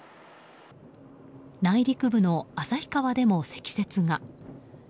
内陸部の旭川でも積雪が。